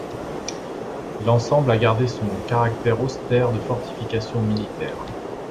L'ensemble a gardé son caractère austère de fortification militaire.